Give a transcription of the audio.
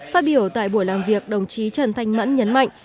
phát biểu tại buổi làm việc đồng chí trần thanh mẫn nhấn mạnh